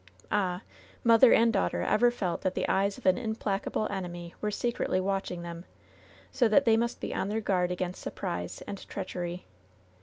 Ah ! mother and daughter ever felt that the eyes of an implacable enemy were secretly watching them, so that they must be on their guard against surprise and treachery.